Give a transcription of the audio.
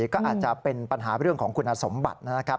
ก็อาจจะเป็นปัญหาเรื่องของคุณสมบัตินะครับ